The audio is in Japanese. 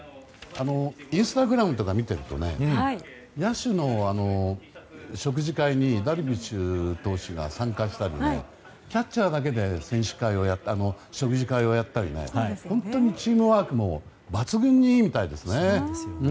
インスタグラムとか見ていると野手の食事会にダルビッシュ投手が参加したりキャッチャーだけで食事会をやったり本当にチームワークも抜群にいいみたいですね。